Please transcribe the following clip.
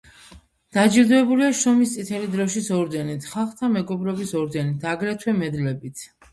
დაჯილდოებულია შრომის წითელი დროშის ორდენით, ხალხთა მეგობრობის ორდენით, აგრეთვე მედლებით.